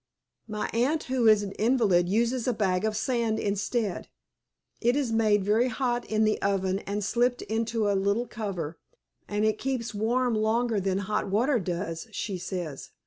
My aunt, who is an invalid, uses a bag of sand instead. It is made very hot in the oven and slipped into a little cover, and it keeps warm longer than hot water does, she says.